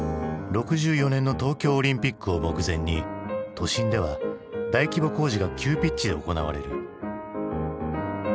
６４年の東京オリンピックを目前に都心では大規模工事が急ピッチで行われる。